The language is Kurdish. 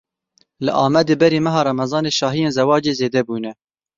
Li Amedê berî meha Remezanê şahiyên zewacê zêde bûne.